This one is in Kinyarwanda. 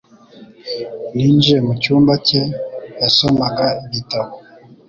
Ninjiye mucyumba cye, yasomaga igitabo.